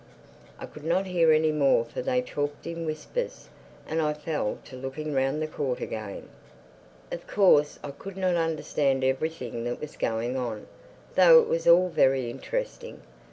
I could not hear any more for they talked in whispers; and I fell to looking round the court again. Of course I could not understand everything that was going on, though it was all very interesting.